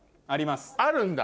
あるんだ？